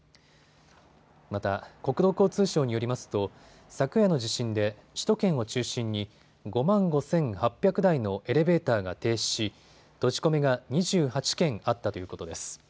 また国土交通省によりますと昨夜の地震で首都圏を中心に５万５８００台のエレベーターが停止し閉じ込めが２８件あったということです。